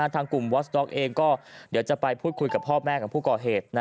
ทางกลุ่มวอสด็อกเองก็เดี๋ยวจะไปพูดคุยกับพ่อแม่ของผู้ก่อเหตุ